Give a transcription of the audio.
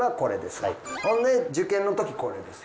ほんで受験の時これです。